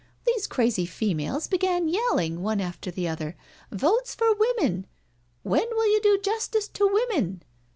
These crazy females began yelling one after the other, ' Votes for Women,' 'When will you do justice to women?